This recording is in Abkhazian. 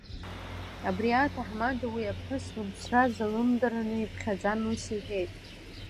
Абри аҭаҳмада уи аԥҳәыс лыԥсра залымдараны иԥхьаӡан ус иҳәеит…